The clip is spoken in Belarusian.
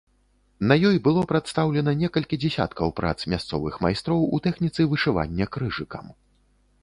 На ёй было прадстаўлена некалькі дзесяткаў прац мясцовых майстроў у тэхніцы вышывання крыжыкам.